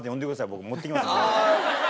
僕持ってきますんで。